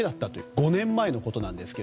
５年前のことだったんですが。